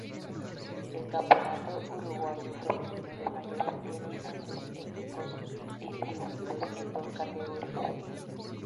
El campeonato uruguayo femenino de mayores tiene a sus equipos distribuidos en dos categorías.